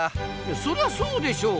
そりゃそうでしょう。